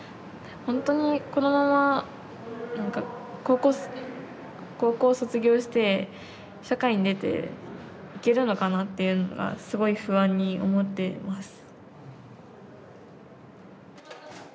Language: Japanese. ほんとにこのままなんか高校卒業して社会に出ていけるのかなっていうのがすごい不安に思ってます。